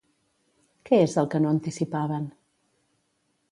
Què és el que no anticipaven?